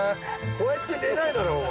こうやって寝ないだろ。